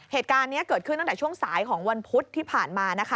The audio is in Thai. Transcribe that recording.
เหตุการณ์นี้เกิดขึ้นตั้งแต่ช่วงสายของวันพุธที่ผ่านมานะคะ